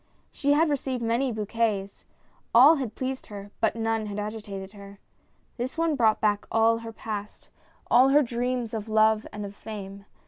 She had received many bouquets, all had pleased her, but none had agitated her. This one brought back all her past, all her dreams of love and of fame.